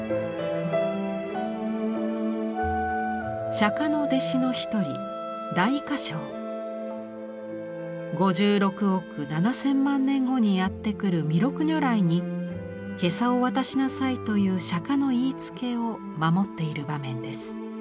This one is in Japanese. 釈の弟子の一人５６億７，０００万年後にやって来る弥勒如来に袈裟を渡しなさいという釈迦の言いつけを守っている場面です。